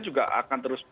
juga akan terus